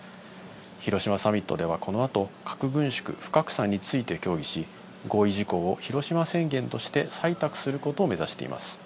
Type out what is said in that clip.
広島サミットではこのあと、核軍縮・不拡散について協議し、合意事項を広島宣言として採択することを目指しています。